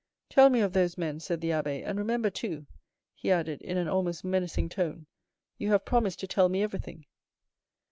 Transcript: "Tell me of those men," said the abbé, "and remember too," he added in an almost menacing tone, "you have promised to tell me everything.